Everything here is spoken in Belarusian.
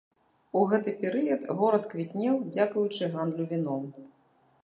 У гэты перыяд горад квітнеў, дзякуючы гандлю віном.